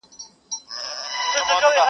چا ته لا سکروټي یم سور اور یمه,